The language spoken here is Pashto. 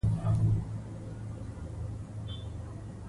د تعلیم له لارې، خلک د یو بل پر وړاندې ژمن پاتې کېږي.